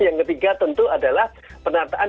yang ketiga tentu adalah penataan